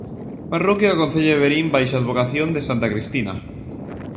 Parroquia do concello de Verín baixo a advocación de santa Cristina.